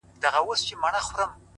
زلفي راټال سي گراني ،